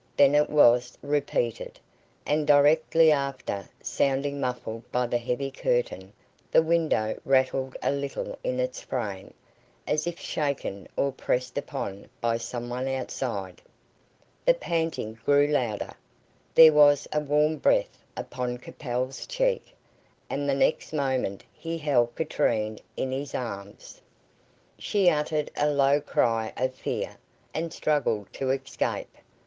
Then it was repeated, and directly after, sounding muffled by the heavy curtain, the window rattled a little in its frame, as if shaken or pressed upon by some one outside. The panting grew louder, there was a warm breath upon Capel's cheek, and the next moment he held Katrine in his arms. She uttered a low cry of fear, and struggled to escape.